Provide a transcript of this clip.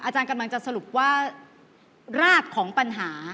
อาจารย์กำลังจะสรุปว่ารากของปัญหา